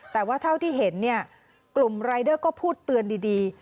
แต่ว่าเท่าที่เห็นเนี่ยกลุ่มรายเดอร์ก็พูดเตือนดี